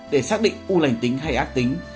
để xác định u lành tính hay ác tính